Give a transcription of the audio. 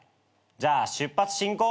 じゃあ出発進行！